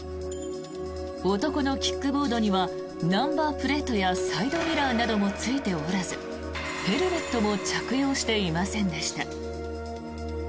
男のキックボードにはナンバープレートやサイドミラーはついておらずヘルメットも着用していませんでした。